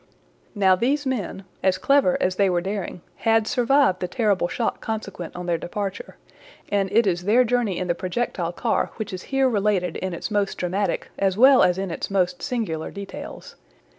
Now these men, as clever as they were daring, had survived the terrible shock consequent on their departure, and it is their journey in the projectile car which is here related in its most dramatic as well as in its most singular details.